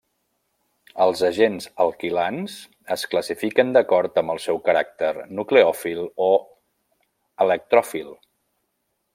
Els agents alquilants es classifiquen d’acord amb el seu caràcter nucleòfil o electròfil.